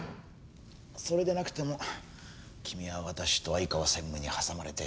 それでなくても君は私と相川専務に挟まれて大変だもんな。